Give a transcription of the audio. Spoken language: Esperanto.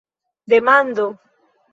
demando